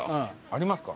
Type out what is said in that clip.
ありますか？